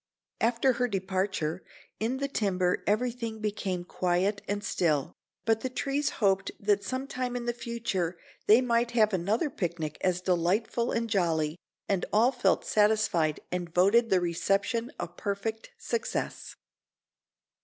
After her departure, in the timber everything became quiet and still, but the trees hoped that sometime in the future they might have another picnic as delightful and jolly, and all felt satisfied and voted the reception a perfect success.